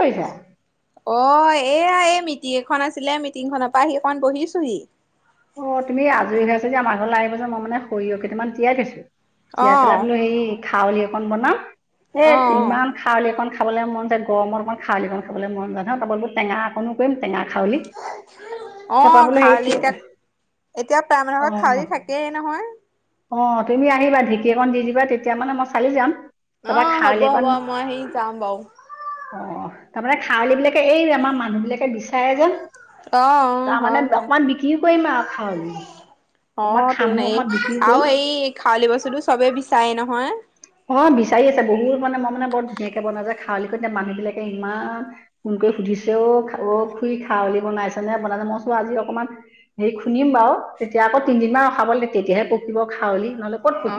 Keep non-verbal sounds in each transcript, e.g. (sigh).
কৈছা অ এয়া এই মিটিং এখন আছিলে মিটিংখনৰ পা আহি অকমান বহিছোহি অ তুমি আজৰি হৈ আছা যদি আমাৰ ঘৰলে আহিবা চুন মই মানে সৰিয়হ কেইটামান তিয়াই থৈছো টিৰাই পেলাই বোলো হেই খাৱলি অকন বনাম এই কিমান খাৱলি অকন খ খাবলে মন যায় গৰমত অকণমান খাৱলি অণমাণ খাব মন যায় নহ তাৰাবল টো অকণো কৰিম টেঙা খাৱলি অ খাৱলি এতিয়া এতিয়া প্ৰায় মানুহৰ ঘৰত খাৱলি থাকেই নহয় অ তুমি আহিবা ঢেকী একন দি দিবা তেতিয়া মানে মই চালি যাম অ হ'ব হ'ব মই আহি যাম বাউ অ তাৰমানে খাৱলী বিলাকে এই আমাৰ মানুহ বিলাকে বিচাৰে যে তাৰমানে অকণমান বিক্ৰীও কৰিম আউ খাম অকমান খামো অকণমান বিক আউ সেই খাৱলি বস্তুটো চবেই বিচায়ে নহয় অ বিচাৰি আছে বহুত মানে মই মানে বৰ ধুনীয়াকে বনাও যে খাৱলি এতিয়া মানুহ বিলাকে ইমান ফোন কৰি সুধিছে অ অ খুৰি খাৱলি বনাইছে নে বনাই মই কচো আজি অকমান হেৰি খুন্দিম বাউ তেতিয়া আকৌ তিনদিনমান ৰখাব দে তেতিয়াহে পকিব খাউলি নহলে অ অ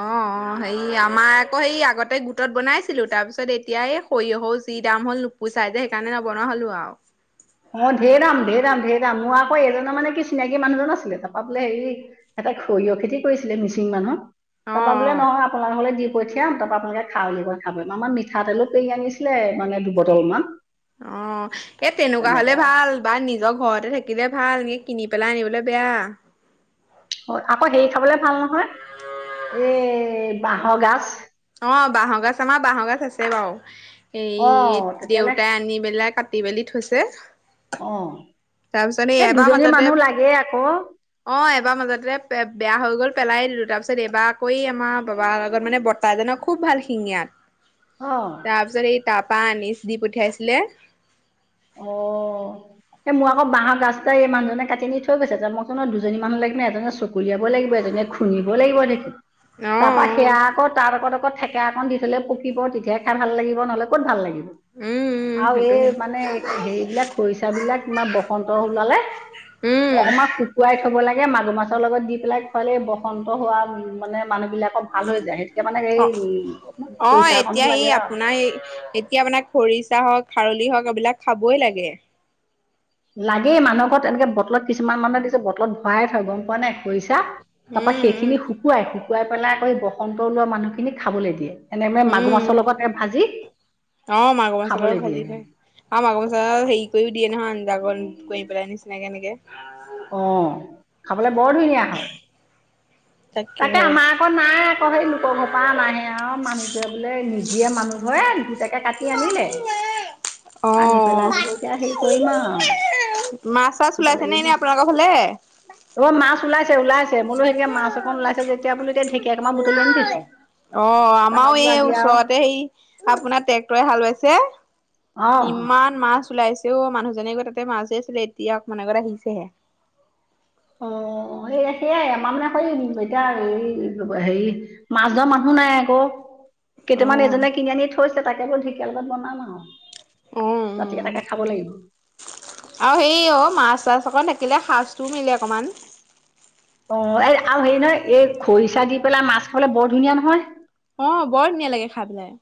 অ অ হেই আমাৰ আকৌ হেই আগতে গোটত বনাইছিলো তাৰ পিছত এতিয়া এই সৰিয়হও যি দাম হ'ল নু পুচাই যে সেইকাৰণে নবনোৱা হলো আউ অ ধেৰ দাম ঢেৰদাম ধেৰদাম মোৰ আকৌ এজনৰ মানে কি চিনাকি মানুহজন আছিলে তাৰপা বোলে হেৰি। এটা সৰিয়হ খেতি কৰিছিলে মিচিং মানুহ তাৰপা বোলে নহয় আপোনালে দি। পঠিয়াম তাৰপা আপোনালোক খাৱলি কন খাব আমাৰ মিঠাতেলো কৰি আনিছিলে মানে দুবটল মান। অ এ তেনুকুৱা হলে ভাল। বা নিজৰ ঘৰতে থাকিলে ভাল এনেকে কিনি পেলাই আনিবলে বেয়া। হয় আকৌ হেৰি খাবলে ভাল নহয় এ বাহৰ গাছ। অ বাঁহৰ গাছ আমাৰ বাঁহৰ গাছ আছে বাও। এই দেউতাই আনি বেলাই কাটি বেলি থৈছে। অ এই দুজনী মানুহ লাগে আকৌ। অ এবাৰ মাজতে পে বেয়া হৈ গল পেলাই দিলো তাৰপিছত এইবাৰ আকৌ এই আমাৰ বাবাৰ আগত মানে বৰ জান খুব ভাল সিঙিয়াত। অ। তাৰপিছত এই তপা আনিচ দি পঠিয়াইছিলে। অ। এই মোৰ আক বাহৰ গাছ এটা এই মুহজনে কাটি আনি থৈ গৈছে। ত মই কৈছোঁ ন দুজনী মানুহৰ লাগিব ন এজনে চ। উলিয়াব লাগিব যেনে খুন্দিব লাগিব নেকি। তাৰ পৰা সেয়া আকৌ তাৰ আগত আকৌ থেকেৰা অকণ দি থ'লে পকীব তেতিয়াই। খাই ভাল লাগিব নহ'লে ক'ত ভাল লাগিব। আৰু এই মানে- সেইবিলাক খৰিচা বিলাক ইমাৰ বসন্ত ওলালে অকণমান- খুৱাই থ'ব লাগে, মাগুৰ মাছৰ লগত দি পেলাই খোৱালে এই বসন্ত হোৱা মানে মানুহবিলাকক- ভাল হৈ যায়, সেইটোকে মানে এই উ' অ' খৰিচা অকণো লাগে আও। হেৰি- এতিয়া আপোনাক খৰিচা হওঁক, খাৰলি হওঁক এইবিলাক খাবই লাগে। লাগেই মানুহ ঘৰত এনেকে বটলত কিছুমান মানুহে দেখিছ বটলত ভৰাই থয় গম পোৱা নাই। খৰিছা তাৰপা সেইখিনি শুকুৱাই শুকুৱাই পেলাই আকৌ এই বসন্ত ওলোৱা মানুহখিনিক খাবলৈ দিয়ে। এনেকে মাগুৰ মাছৰ লগতে ভাজি খাবলৈ দিয়ে। আৰু মাগুৰ মাছৰ হেৰি কৰিও দিয়ে নহয় আঞ্জানকণ কৰি পেলাই নিচিনাকে এনেকে। অঁ', খাবলে বৰ ধুনীয়া। তাক তাকে, আমাৰ আকৌ নাই আকৌ সেই লোকৰ ঘৰ পৰা অনা'হে আৰু মানুহটোৱে বোলে নিদিয়ে মানুহ ঘৰে দুতাকে কা- টি আনিলে। (inaudible) আনি পেলাই বোলো এতিয়া হেৰি কৰিম আও। মাছ-চাছ ওলাইছে নে এনেই আপোনালোকৰ ফালে? অ' মাছ ওলাইছে-ওলাইছে বোলো সেনেকে মাছঅকণ ওলাইছে যেতিয়া বোলো এতিয়া ঢেকীয়া অকণমান বুটলি আনি থৈছো। অঁ', আমাৰও এই ওচৰতে- আপোনাৰ ট্ৰেক্টৰে হাল বাইছে ইমান মাছ ওলাইছে। তেওঁ মানুহজনে গৈ তা'তে মাছ ধৰি আছিলে এতিয়া মানে অকণমান আগতে আহিছে হে। অ', এই সেয়াই আমাৰ মানে কৰি থাকিব এতিয়া এই হেৰি মাছ ধৰা মানুহ নাই আকৌ। কেইটামান এইজনে কিনি আনি থৈছে তাকে বোলো ঢেকীয়া লগত বনাম আও। অঁ', উ'ম। আৰু সেই অ' মাছ-চাছ অকণমান থাকিলে সাজটোও মিলে অকণমান। অঁ', এই আৰু হেৰি নহয় এই খৰিচা দি পেলাই মাছ খাবলে বৰ ধুনীয়া নহয়। অঁ', বৰ ধুনীয়া লাগে খাই পেলাই।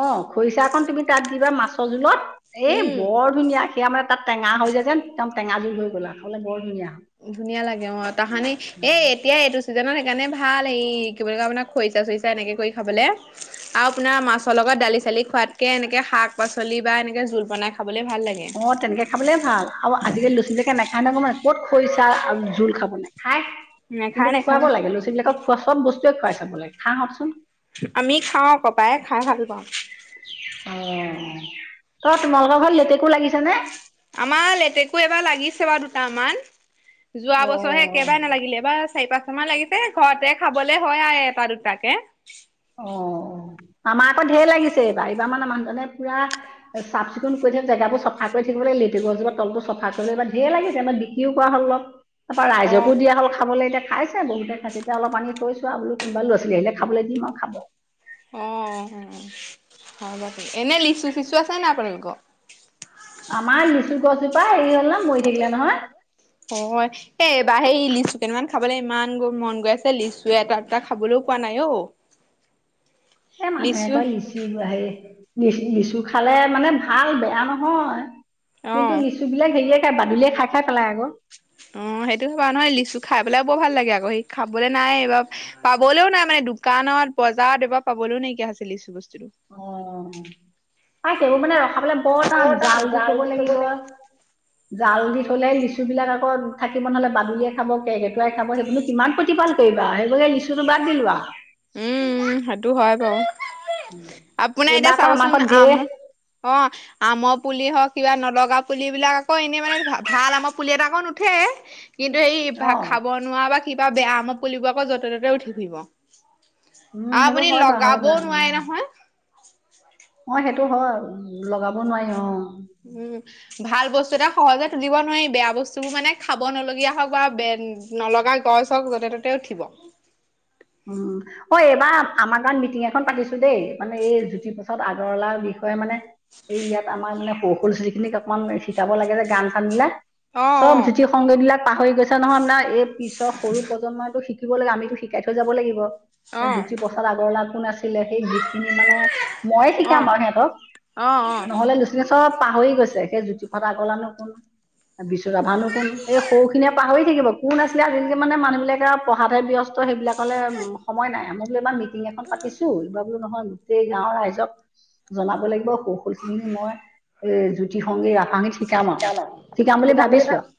অঁ', খৰিচা অকণ তুমি তা'ত দিবা মাছৰ জোলত এই বৰ ধুনীয়া। এতিয়া মানে তা'ত টেঙা হৈ যাই যেন একদম টেঙা জোল হৈ গ'ল খাবলে বৰ ধুনীয়া হয়। ধুনীয়া লাগে অঁ', তাহানি এই- এতিয়া এইটো ছিজনত সেইকাৰণে ভাল এই কি বুলি কয় আপোনাক খৰিচা-চৰিচা এনেকে কৰি খাবলৈ। আৰু আপোনাৰ মাছৰ লগত দালি-চালি খোৱাতকে এনেকে শাক-পাচলি বা এনেকে জোল বনাই খাবলে ভাল লাগে। অঁ' তেনেকে খাবলে ভাল, আৰু আজিকালি ল'ৰা-ছোৱালী বিলাকে নাখায় নহয় মানে ক'ত খৰিচা আৰু জোল খাব। খাই কিন্তু খুৱাব লাগে ল'ৰা-ছোৱালী বিলাকক খোৱা চব বস্তুৱে খুৱাই চাব লাগে খা আহকচোন। আমি খাওঁ আক' পাই খাই ভাল পাওঁ। অঁ', তই তোমালোকৰ ঘৰত লেটেকু লাগিছে নে? আমাৰ লেটেকু এবাৰ লাগিছে বাৰু দুটামান, যোৱা বছৰহে- একেবাৰে নালাগিলে, এইবাৰ চাৰি-পাঁচমান লাগিছে ঘৰতে খাবলে হয় আৰু এটা-দুটাকে। অঁহ', -অঁহ', আমাৰ আকৌ ঢেৰ লাগিছে এইবাৰ, এইবাৰ মানে মানুহজনে পুৰা- চাফ-চিকুণ কৰি থাকে জেগাবোৰ চফা কৰি থাকিব লাগে লেটেকু গছজোপা তলটো চফা কৰিলে এইবাৰ ঢেৰ লাগিছে আমা- হিও কৰা হ'ল অলপ তাৰপৰা ৰাইজকো দিয়া হ'ল খাবলৈ এতিয়া খাইছে বহুতে খাইছে এতিয়া অলপ আনি থৈছো। আৰু বোলো কোনোবা ল'ৰা ছোৱালী আহিলে খাবলৈ দিম আৰু খাব। অ', হয় হয় এনে লিচু চিচু আছে নে আপোনালোকৰ? আমাৰ লিচু গছজোপা হেৰি হ'ল নহয় মৰি থাকিলে নহয়। অ'। এই এবাৰ সেই লিচু কেইটান খাবলৈ ইমান মন গৈ আছে লিচুয়ে এটা এটা খাবলৈও পোৱা নাই অ'। (inaudible) এ মানুহে কয় লিচু হেৰি লি-লিচু খালে মানে ভাল বেয়া নহয়। কিন্তু লিচু বিলাক হেৰিয়ে খাই বাদুলিয়ে খাই খাই পেলাই আকৌ। অ', সেইটো চাবা নহয় লিচু খাই পেলাই বৰ ভাল লাগে আকৌ সি খাবলৈ নাই এইবাৰ। পাবলৈও নাই মানে দোকানত বজাৰত এইবাৰ পাবলৈও নাইকিয়া হৈছে লিচু বস্তুটো। অ', তেওঁ মানে ৰখাবলৈ বৰ টান জাল দি থ'ব লাগিব। জাল দি থ'লে লিচুবিলাক আকৌ থাকিব নহ'লে বাদুলিয়ে খাব কেকেটুৱাই খাব সেইবোৰো কিমান প্ৰতিপাল কৰিবা সেইবাৰ হে লিচুটো বাদ দিলো আৰু। উম, সেইটো হয় বাৰু। আপোনাৰ এতিয়া চাবচোন আম অ'। আমৰ পুলি হওঁক কিবা নলগা পুলিবিলাক আকৌ এনেই মানে ভাল আমৰ পুলি এটা আকৌ নুঠে। কিন্তু এই খাব নোৱাৰা বা কিবা বেয়া আমক পুলিবোৰ আকৌ য'তে ত'তে উঠি ফুৰিব। আৰু আপুনি লগাবও নোৱাৰে নহয়। অ', সেইটো হয় লগাব নোৱাৰি অ'। উম। ভাল বস্তু এটা সহজে তুুলিব নোৱাৰি বেয়া বস্তুবোৰ মানে খাব নলগীয়া হওঁক বা বে নলগা গছ হওঁক য'তে ত'তে উঠিব। উম। অ', এইবাৰ আমাৰ গাঁওত মিটিং এখন পাতিছো দেই মানে এই জ্যোতিপ্ৰসাদ আগৰৱালাৰ বিষয়ে মানে এই ইয়াত আমাৰ মানে সৰু সৰু ল'ৰা ছোৱালীখিনিক অকমান শিকাব লাগে যে গান চানবিলাক। চব জ্যোতি সংগীতবিলাক পাহৰি গৈছে নহয় না এই পিছৰ সৰু প্ৰজন্মইটো শিকিব লাগে আমিতো শিকাই থৈ যাব লাগিব। জ্যোতিপ্ৰসাদ আগৰৱালা কোন আছিলে সেই গীতখিনি মানে ময়ে শিকাম আৰু সিহঁতক। অ', অ'। নহ'লে ল'ৰা ছোৱালীয়ে চব পাহৰি গৈছে একে জ্যোতি প্ৰসাদআগৰৱালানো কোন! বিষ্ণু ৰাভানো কোন এই সৰুখিনিয়ে পাহৰি থাকিব কোন আছিলে আজিলৈকে মানে মানুহবিলাকে‌ আৰু পঢ়াতে ব্যস্ত সেইবিলাকলে উম সময় নাই মই বোলো এইবাৰ মিটিং এখন পাতিছো এইবাৰ বোলো নহয় গোটেই গাঁৱৰ ৰাইজক জনাব লাগিব সৰু সৰু ল'ৰা ছোৱালীখিনিক মই এ জ্যোতি সংগীত ৰাভা সংগীক শিকাম আৰু শিকাম বুলি ভাবিছো আৰু।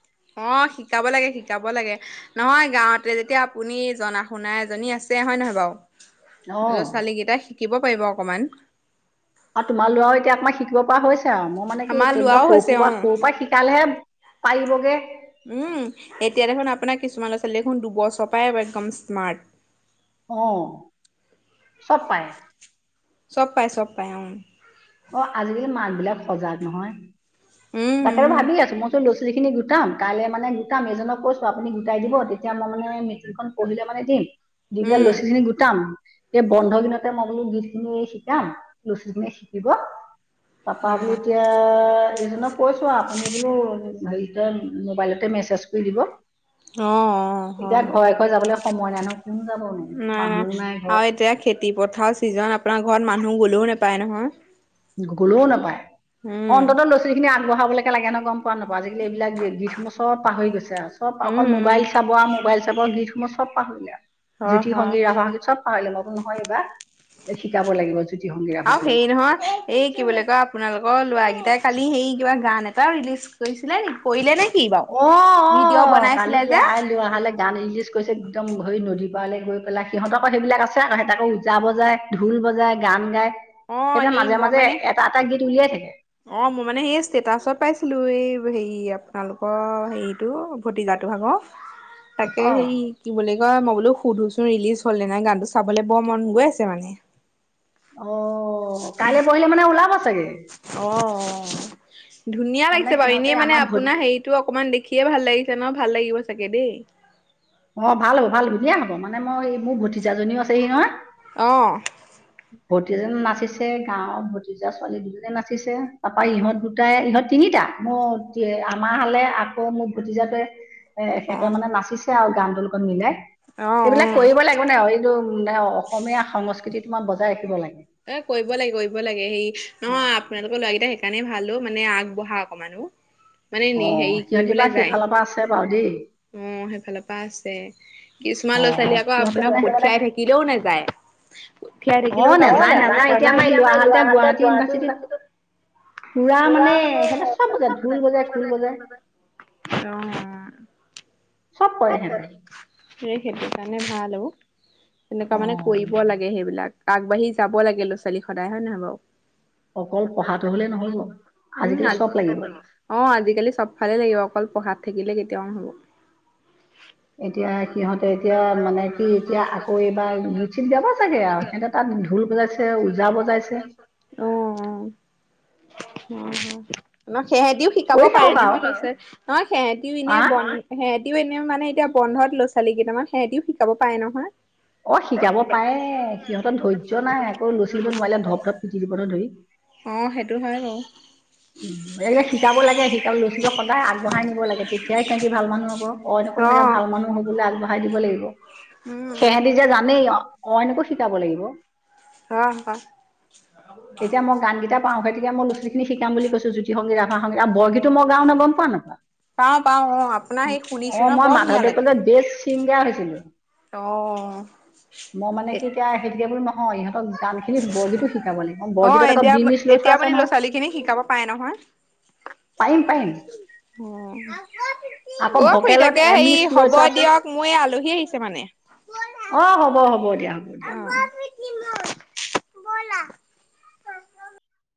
অ', শিকাব লাগে শিকাব লাগে। নহয় গাঁৱতে যেতিয়া আপুনি জনা শুনাই এজনী আছে হয় নহয় বাৰু। ল'ৰা ছোৱালী কেইটা শিকিব পাৰিব অকমান। আৰু তোমাৰ ল'ৰাও এতিয়া আকনমান শিকিব পৰা হৈছে আৰু মোৰ কি তেনেকুৱা সৰু সৰু পৰা সৰু পৰা শিক শিকালেহে পাৰিবগে। উম, এতিয়া দেখোন আপোনাৰ কিছুমান ল'ৰা ছোৱালী দেখোন দুবছৰ পৰাই একদম স্মাৰ্ট। অ', চব পাৰে। চব পাৰে চব পাৰে উম। অ', আজিকালি মাকবিলাক সজাগ নহয়, তাকে ম‌ই ভাবি আছো মই তো ল'ৰা-ছোৱালীখিনি গোটাম কাইলে মানে গোটাম এজনক কৈছো আপুনি গোটাই দিব, তেতিয়া মই মানে মেটিং খন- পৰহিলে মানে দিম, দি পেলাই ল'ৰা-ছোৱালীৰ খিনি গোটাম। এই বন্ধ দিনতে মই বোলো গীত খিনি শিকাম, ল'ৰা-ছোৱালীৰ খিনিয়ে শিকিব। তাপা বোলো এতিয়া- এজনক কৈছো আপুনি বোলো হেইতে মবাইলতে মেচেজ কৰি দিব। অ‌ঁ অঁ, হয় হয়। ঘ যাবলে সময় নাই নহয় কোন যাব নো মানুহো নাই ঘৰত। খেতিপথাৰ ছিজন আপোনাৰ ঘৰত মানুহ গ'লেও নেপায় নহয়। গলও নাপায়, অন্তত ল'ৰা-ছোৱালীখিনি আগবঢ়াবলেকে লাগে ন গম- গম পাও নাপাও আজিকালি এইবিলাক গীতসমূহ চব পাহৰি গৈছে আও, চব অকল মোবাইল চাব আও মোবাইল চাব গীত- সমুহ চব পাহৰিলে আও, জ্যোতি সংগীত ৰাভা সংগীত চব পাহৰিলে মই বোলো নহয় এইবাৰ শিকাব লাগিব। আও সেই নহয়- এই কি বুলি কয় আপোনালোকৰ ল'ৰাকেইটাই কালি সেই কিবা গান এটা ৰিলিজ কৰিছিলে নেকি? কৰিলে নে কি বাও, ভিডিঅ' বনাইছিলে যে? লৱা হালে- গান ৰিলিজ কৰিছে একদম সেই নদীৰ পাৰলে গৈ পেলাই, সিহঁতকো সেইবিলাক আছে আক হে তাকো উজা বজায়। ঢোল বজাই গান গাই সেইতে মাজে মাজে এটা এটা গীত উলিয়াই থাকে। অঁ মই মানে এই ষ্টেটাচত পাইছিলো এই হেৰি আপোনালোকৰ হেৰিটো ভতিজাটো ভাগ। তাকে সেই- কি বুলি কয় মই বোলো সুধোচোন ৰিলিজ হ'লনে নাই গানটো চাবলে বৰ মন গৈ আছে মানে। অঁ কাইলে পহিলে মানে ওলাব চাগে? অ অ' ধুনীয়া লাগিছে বাও, এনেই মানে আপোনাৰ হেৰিত- তো অকমান দেখিয়ে ভাল লাগিছে ন, ভাল লাগিব চাগে দেই। অঁ ভাল হ'ব ভাল হ'ব ধুনীয়া হ'ব, মানে মই মোৰ ভতিজাজনীও আছেহি নহয়। অঁ। ভতিজাজনী নাচিছে, গাঁৱৰ ভতিজা ছোৱালী দুজনীয়ে নাচিছে। তাপা ইহঁত দুটাই ইহঁত তিনিটা- মোৰ আমাৰ হালে আকৌ মোৰ ভতিজাটোৱে হেতে মানে নাচিছ- ছে আও গানটোৰ লগত মিলাই, এইবিলাক কৰিব লাগে। একো নাই এইটো মানে অসমীয়া সংস্কৃতি তোমাৰ বজাই ৰাখিব লাগে। এ কৰিব লাগে কৰিব লাগে, হেৰি নহয় আপোনালোকৰ ল'ৰাকেইটা সেইকাৰণেই ভাল অও' মানে আগবঢ়া অকমান অও'। (unintelligible) অঁ সিহঁতি বাও সেইফালৰ পা আছে বাও দেই। অঁ সেইফালৰ পা আছে, কিছুমান ল'ৰা ছোৱালী আকৌ আপোনাৰ পঠিয়াই থাকি- কিলেও নাযায়। পঠিয়াই থাকিলো যাবলৈ মন নকৰে নহয়, অঁ নাযায় নাযায়, এতিয়া আমাৰ এই ল'ৰা হাল এতিয়া গুৱাহাটী ইউনিভাৰ্ছিটিট- (unintelligible) অঁ অঁ'। চব কৰে হেঁতে। সেই সেইটো কাৰণে ভাল অও, তেনেকুৱা মানে কৰিব লাগে সেইবিলাক। আগবাঢ়ি যাব লাগে ল'ৰা-ছোৱালী সদায়, হয় নহয় বাও? উম' (unintelligible) অঁ আজিকালি চব ফালে লাগিব অকল পঢ়াত থাকিলে কেতিয়াও নহ'ব। এতিয়া সিহঁতে এতিয়া মানে কি এতিয়া আকৌ এইবাৰ গীত চীত গাব চাগে আও, হেঁতে- তাত ঢোল বজাইছে ওজা বজাইছে। অ', অ', অ', অ', ন সিহঁতিও শিকাব পাৰে নহয়, (unintelligible) নহয় সেহেতিও এনে বন হে সিও এনে মানে এতিয়া বন্ধত লৰা-ছোৱালী কেইটামান সিহঁতিও শিকাব পাৰে নহয়। অহ, শিকাব পাৰে সিহঁতৰ ধৈয্য নাই আকৌ লৰা-ছোৱালী বোৰে নোৱাৰিলে ধপ ধপ পিটি দিব নহয় ধৰি। অ', সেইটো হয় বাৰু। উম। এই শিকাব লাগে শিকাব লৰা-ছোৱালী বোৰক সদায় আগবঢ়াই নিব লাগে তেতিয়াই সিহঁতি ভাল মানুহ হ'ব, অন্য (unintelligible) ভাল মানুহ হ'বলৈ আগবঢ়াই দিব লাগিব, সেহেঁতি যে জানেই অনইকো শিকাব লাগিব। অ', অ'। এতিয়া মই গানকেইটা পাওঁ গতিকে, মই লৰা-ছোৱালীখিনি শিকাম বুলি কৈছো জ্যোতি সংগীত ৰাভা সংগীত আৰু বৰগীতো মই গাও নহয় গ'ম পাৱ নে নাপাওঁ? অ', মই মাধৱদেৱৰ যে বেষ্ট ছিংগাৰ হৈছিলো। অ'। মই মানে কি এতিয়া সেইটোকে বোলো নহয়, ইহঁতক গান খিনি বৰ গীতো শিকাব লাগিব। অ', এতিয়া এতিয়া আপুনি লৰা-ছোৱালী খিনি শিকাব পাৰে নহয়। পাৰিম পাৰিম। অ', অ', খুড়ী তাকে হেৰি হ'ব দিয়ক মোৰ এই আলহী আহিছে মানে। অ', হ'ব হ'ব দিয়া হ'ব দিয়া। অ'।